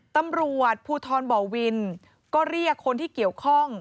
ตำรวจภูทรบ่อวินก็เรียกคนที่เกี่ยวข้อง